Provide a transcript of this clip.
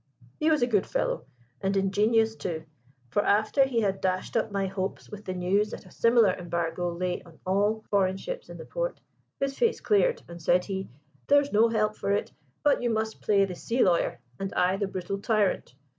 He was a good fellow, and ingenious too; for after he had dashed up my hopes with the news that a similar embargo lay on all foreign ships in the port, his face cleared, and, said he, 'There's no help for it, but you must play the sea lawyer and I the brutal tyrant.